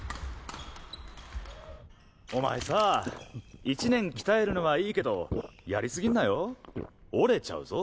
お前さぁ１年きたえるのはいいけどやりすぎんなよ折れちゃうぞ。